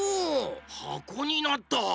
はこになった！